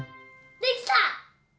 できた！